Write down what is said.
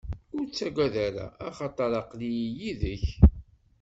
Ur ttagad ara, axaṭer aql-i yid-k.